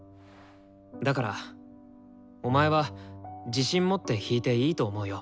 だからお前は自信持って弾いていいと思うよ。